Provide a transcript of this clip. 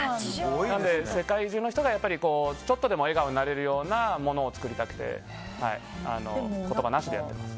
世界中の人がちょっとでも笑顔になれるようなものを作りたくて言葉なしでやってます。